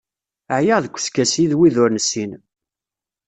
Ɛyiɣ deg uskasi d wid ur nessin.